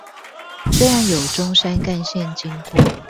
雖然有中山幹線經過